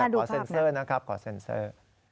ขอเซ็นเซอร์นะครับขอเซ็นเซอร์